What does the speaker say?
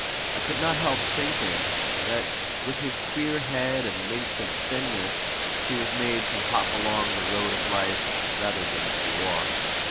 I could not help thinking that, with his queer head and length of thinness, he was made to hop along the road of life rather than to walk.